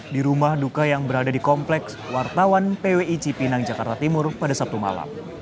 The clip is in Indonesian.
di rumah duka yang berada di kompleks wartawan pwi cipinang jakarta timur pada sabtu malam